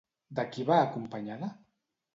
De qui va acompanyada?